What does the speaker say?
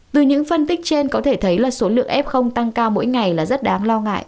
từ những phân tích trên có thể thấy là số lượng f tăng cao mỗi ngày là rất đáng lo ngại